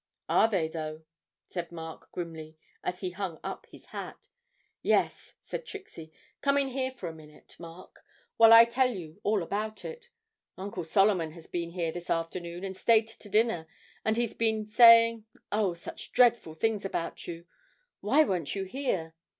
'Are they though?' said Mark grimly, as he hung up his hat. 'Yes,' said Trixie; 'come in here for a minute, Mark, while I tell you all about it. Uncle Solomon has been here this afternoon and stayed to dinner and he's been saying, oh, such dreadful things about you. Why weren't you here?'